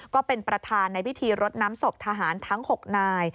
ก็เป็นประธานในพิธีรดน้ำศพทหารทั้ง๖นาย